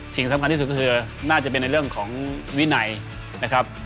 สิ่งสำคัญที่สุดก็คือน่าจะเป็นในเรื่องของวินัยนะครับ